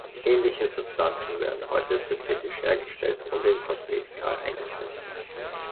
Ähnliche Substanzen werden heute synthetisch hergestellt und in Kosmetika eingesetzt.